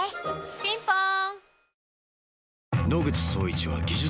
ピンポーン